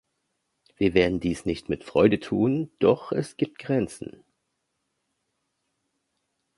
Wir werden dies nicht mit Freude tun, doch es gibt Grenzen.